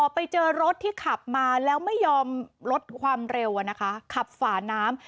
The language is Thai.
ไปเจอรถที่ขับมาแล้วไม่ยอมลดความเร็วขับฝาน้ำ